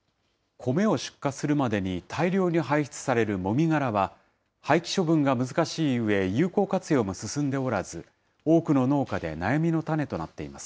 米を出荷するまでに大量に排出されるもみ殻は、廃棄処分が難しいうえ、有効活用も進んでおらず、多くの農家で悩みの種となっています。